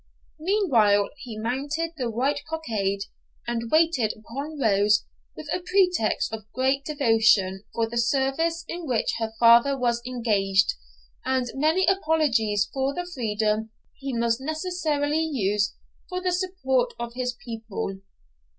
Meanwhile he mounted the white cockade, and waited upon Rose with a pretext of great devotion for the service in which her father was engaged, and many apologies for the freedom he must necessarily use for the support of his people.